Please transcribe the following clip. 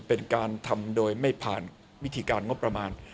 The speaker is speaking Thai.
เป็นการทำโดยไม่ผ่านวิธีการงบประมาณ